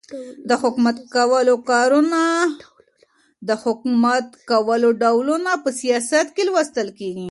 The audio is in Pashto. د حکومت کولو ډولونه په سیاست کي لوستل کیږي.